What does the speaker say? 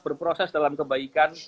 berproses dalam kebaikan